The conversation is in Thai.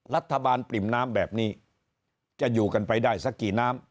ปริ่มน้ำแบบนี้จะอยู่กันไปได้สักกี่น้ำ